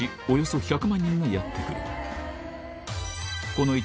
およそ１００万人がやって来る